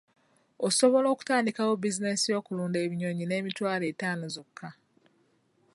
Osobola okutandikawo bizinensi y'okulunda ebinyonyi n'emitwalo ataano zokka.